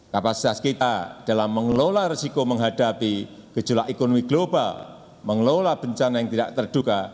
kapasitas kita dalam mengelola resiko menghadapi gejolak ekonomi global mengelola bencana yang tidak terduga